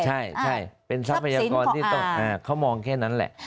ใช่เป็นทรัพยากรที่เขามองแค่นั้นแหละ